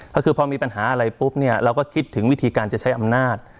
ก็คือพอมีปัญหาอะไรปุ๊บเนี่ยเราก็คิดถึงวิธีการจะใช้อำนาจ